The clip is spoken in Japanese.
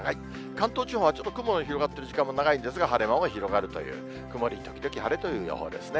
関東地方はちょっと雲の広がってる時間も長いんですが、晴れ間も広がるという、曇り時々晴れという予報ですね。